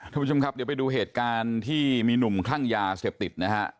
ทุกผู้ชมครับเดี๋ยวไปดูเหตุการณ์ที่มีหนุ่มคลั่งยาเสพติดนะฮะ